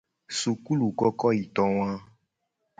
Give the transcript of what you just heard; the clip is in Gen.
Sukulukokoyitowa.